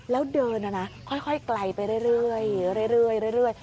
แล้วเดินค่อยไกลไปเรื่อย